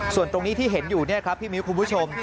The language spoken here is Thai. ส่วนตรงนี้ที่เห็นอยู่พี่มิวคุณผู้ชม